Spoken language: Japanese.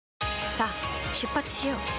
さあ出発しよう。